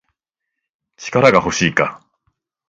力が欲しいか